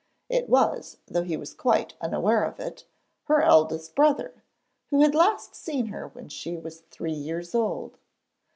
It was, though he was quite unaware of it, her eldest brother, who had last seen her when she was three years old.